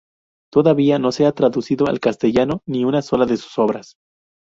Todavía no se ha traducido al castellano ni una sola de sus obras.